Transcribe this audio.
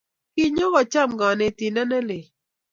Kinyo kocham kanetindet ne leel